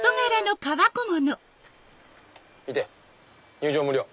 入場無料。